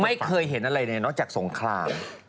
ไม่เคยเห็นอะไรเลยนอกจากสงคราม